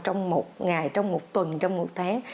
trong một ngày trong một tuần trong một tháng